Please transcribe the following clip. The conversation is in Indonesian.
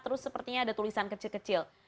terus sepertinya ada tulisan kecil kecil